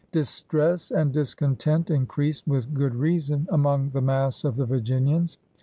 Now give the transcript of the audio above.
Distress and discontent increased, with good reason, among the mass of the Virginians.